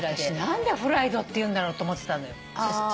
私何でフライドっていうんだろうと思ってたのよ。